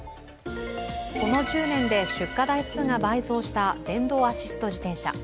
この１０年で出荷台数が倍増した電動アシスト自転車。